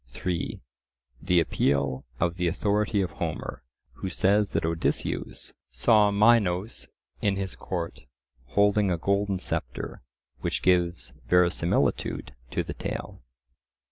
(3) The appeal of the authority of Homer, who says that Odysseus saw Minos in his court "holding a golden sceptre," which gives verisimilitude to the tale.